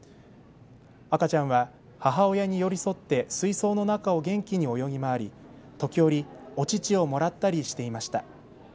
赤ちゃんは母親に寄り添って水槽の中を元気に泳ぎ回り時折お乳をもらったりしていました。